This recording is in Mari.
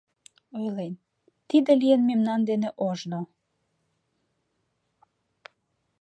Ойлен: тиде лийын мемнан дене ожно.